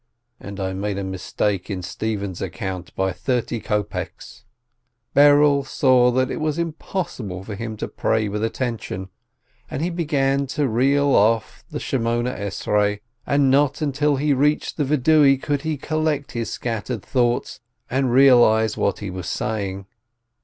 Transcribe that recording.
— "and I made a mistake in Stephen's account by thirty kopeks ..." Berel saw that it was impossible for him to pray with attention, and he began to reel off the Eighteen Benedictions, but not till he reached the Confession could he collect his scattered thoughts, and realize what he was saying.